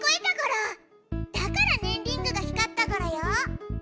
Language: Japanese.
だからねんリングが光ったゴロよ。